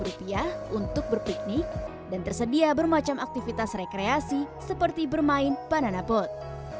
rp lima untuk berpiknik dan tersedia bermacam aktivitas rekreasi seperti bermain banana boat